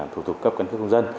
thủ tục cấp cân cước công dân